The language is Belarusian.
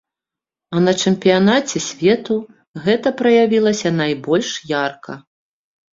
А на чэмпіянаце свету гэта праявілася найбольш ярка.